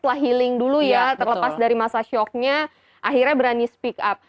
setelah beberapa tahun mungkin setelah healing dulu ya terlepas dari masa shocknya akhirnya berani speak up